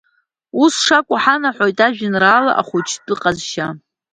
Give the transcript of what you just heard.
Ус шакәу ҳанаҳәоит ажәеинраала Ахәыҷтәы ҟазшьа.